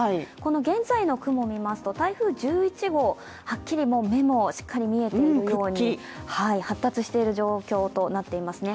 現在の雲をみますと、台風１１号はっきり目もしっかり見えているように発達している状況となっていますね。